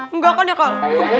enggak kan ya kal